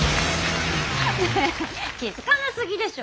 アハハ気付かなすぎでしょ。